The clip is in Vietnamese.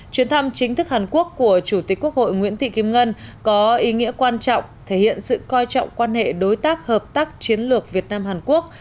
chuyến thăm chính thức hàn quốc của chủ tịch quốc hội nguyễn thị kim ngân có ý nghĩa quan trọng thể hiện sự coi trọng quan hệ đối tác hợp tác chiến lược việt nam hàn quốc